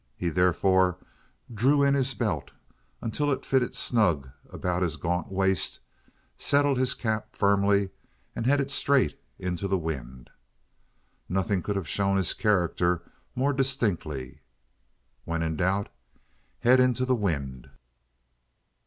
He therefore drew in his belt until it fitted snug about his gaunt waist, settled his cap firmly, and headed straight into the wind. Nothing could have shown his character more distinctly. When in doubt, head into the wind.